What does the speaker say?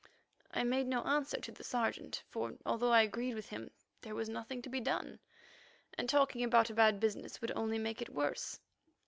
I made no answer to the Sergeant, for although I agreed with him, there was nothing to be done, and talking about a bad business would only make it worse.